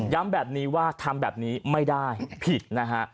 แบบนี้ว่าทำแบบนี้ไม่ได้ผิดนะฮะ